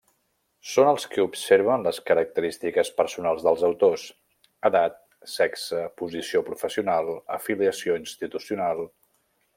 Són els que observen les característiques personals dels autors: edat, sexe, posició professional, afiliació institucional.